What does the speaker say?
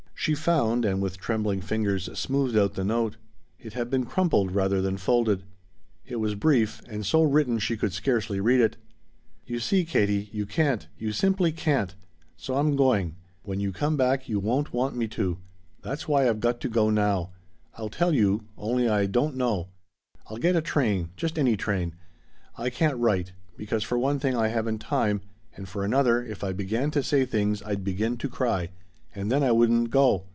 She found, and with trembling fingers smoothed out the note; it had been crumpled rather than folded. It was brief, and so written she could scarcely read it. "You see, Katie, you can't you simply can't. So I'm going. When you come back, you won't want me to. That's why I've got to go now. I'd tell you only I don't know. I'll get a train just any train. I can't write. Because for one thing I haven't time and for another if I began to say things I'd begin to cry and then I wouldn't go.